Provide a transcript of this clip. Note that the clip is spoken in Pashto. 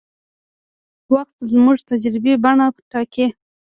وخت زموږ د تجربې بڼه ټاکي.